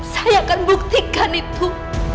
saya akan buktikan itu